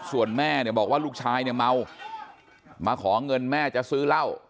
ส่วนแม่เนี่ยบอกว่าลูกชายเนี่ยเมามาขอเงินแม่จะซื้อเหล้า